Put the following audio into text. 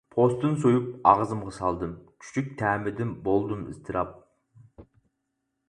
پوستىنى سويۇپ، ئاغزىمغا سالدىم، چۈچۈك تەمىدىن بولدۇم ئىزتىراپ.